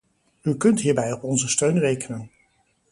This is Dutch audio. U kunt hierbij op onze steun rekenen.